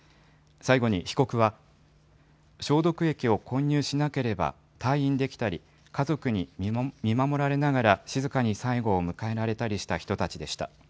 最後に被告は、消毒液を混入しなければ退院できたり、家族に見守られながら、静かに最期を迎えられたりした人たちでした。